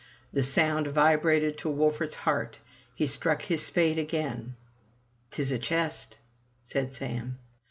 The sound vibrated to Wolfert's heart. He struck his spade again. *' Tis a chest/' said Sam.